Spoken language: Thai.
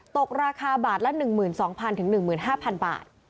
ตกราคาบาทละ๑๒๐๐๑๕๐๐บาท